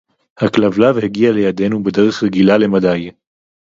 הַכְּלַבְלַב הִגִּיעַ לְיָדֵנוּ בְּדֶרֶךְ רְגִילָה לְמַדַּי